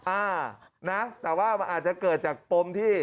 อ่านะแต่ว่ามันอาจจะเกิดจากปมที่